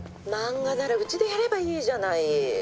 漫画ならうちでやればいいじゃない。